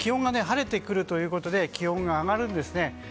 気温が晴れてくるということで上がるんですね。